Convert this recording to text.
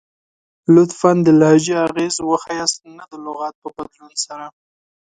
لطفاً ، د لهجې اغیز وښایست نه د لغات په بدلون سره!